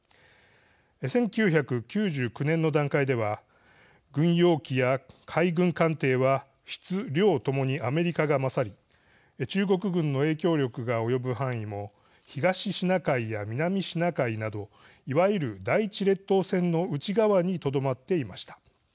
１９９９年の段階では軍用機や海軍艦艇は質、量ともにアメリカが勝り中国軍の影響力が及ぶ範囲も東シナ海や南シナ海などいわゆる第１列島線の内側にとどまっていました。